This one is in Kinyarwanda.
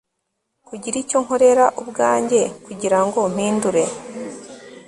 kugira icyo nkorera ubwanjye kugirango mpindure